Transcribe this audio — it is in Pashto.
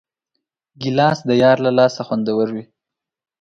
ګیلاس د یار له لاسه خوندور وي.